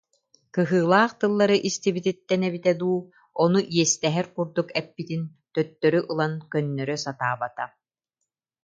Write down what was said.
Кыһыылаах тыллары истибититтэн эбитэ дуу, ону иэстэһэр курдук эппитин төттөрү ылан көннөрө сатаабата